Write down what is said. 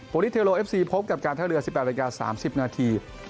โปรลิเทโลเอฟซีพบกับการเท้าเรือ๑๘นาฬิกา๓๐นาที